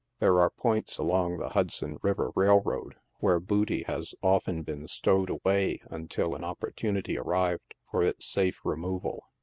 There are points along the Hudson River Railroad where booty has often been stowed away until an opportunity ar rived for its safe removal.